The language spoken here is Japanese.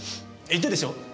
言ったでしょ？